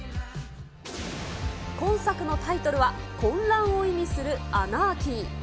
今作のタイトルは、混乱を意味するアナーキー。